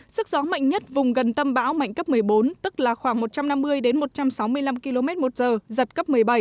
sức gió mạnh nhất vùng gần tâm bão mạnh cấp một mươi bốn tức là khoảng một trăm năm mươi một trăm sáu mươi năm km một giờ giật cấp một mươi bảy